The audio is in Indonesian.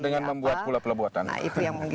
tidak dengan membuat pula pula buatan